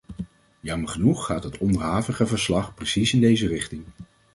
Jammer genoeg gaat het onderhavige verslag precies in deze richting.